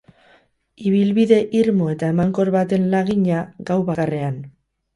Ibilbide irmo eta emankor baten lagina, gau bakarrean.